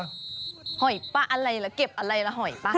หอยป่ะอะไรล่ะเก็บอะไรล่ะหอยป่ะ